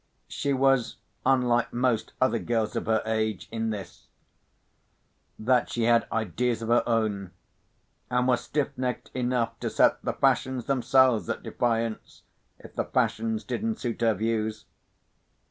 She was unlike most other girls of her age, in this—that she had ideas of her own, and was stiff necked enough to set the fashions themselves at defiance, if the fashions didn't suit her views.